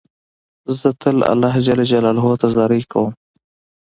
زه تل الله جل جلاله ته زارۍ کوم.